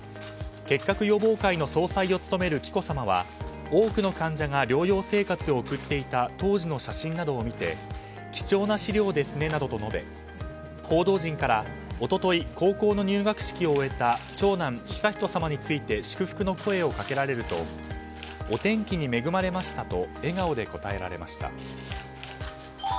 結核予防会の総裁を務める紀子さまは多くの患者が療養生活を送っていた当時の写真などを見て貴重な資料ですねなどと述べ報道陣から一昨日、高校の入学式を終えた長男・悠仁さまについて祝福の声をかけられるとお天気に恵まれましたと笑顔で答えられました。